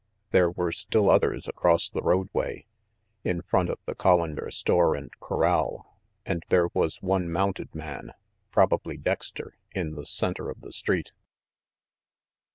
There were still others across the roadway, in front of the Collander store and corral, arid there was one mounted man, probably Dexter, in the center of the street.